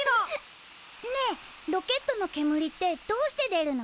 ねえロケットのけむりってどうして出るの？